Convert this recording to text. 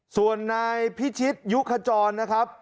ส่วนนายพิชิตยุขจรนะครับ